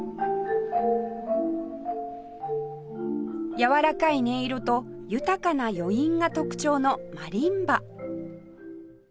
やわらかい音色と豊かな余韻が特徴のマリンバ